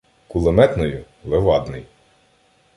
Кулеметною — Левадний.